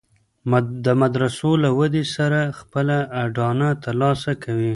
د مدرسو له ودې سره خپله اډانه تر لاسه کوي.